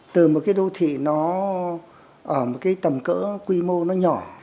từ một đô thị tầm cỡ quy mô nhỏ